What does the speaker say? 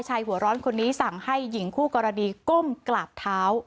หัวร้อนคนนี้สั่งให้หญิงคู่กรณีก้มกราบเท้า